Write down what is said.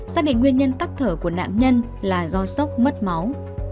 xác định nguyên nhân tắc thở của nạn nhân là do sốc mất máu